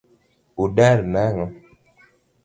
Udar nang'o?